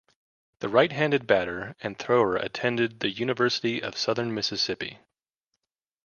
The right-handed batter and thrower attended the University of Southern Mississippi.